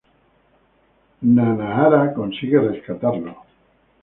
Nanahara consigue rescatarlo.